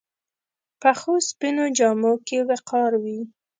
پخو سپینو جامو کې وقار وي